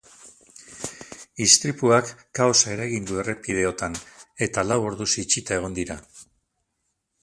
Istripuak kaosa eragin du errepideotan, eta lau orduz itxita egon dira.